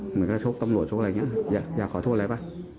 เหมือนกับชกตำรวจชกอะไรอย่างนี้อยากขอโทษอะไรป่ะ